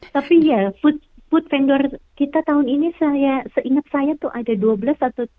tapi ya put vendor kita tahun ini seingat saya tuh ada dua belas atau tiga